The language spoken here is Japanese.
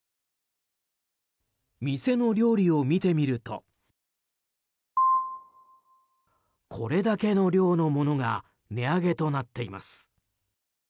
店の料理を見てみるとこれだけの量のものが値上げとなっています。